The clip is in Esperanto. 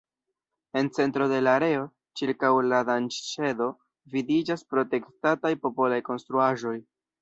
En centro de la areo, ĉirkaŭ la"Dancŝedo" vidiĝas protektataj popolaj konstruaĵoj.